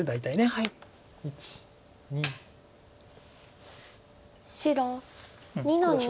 白２の二。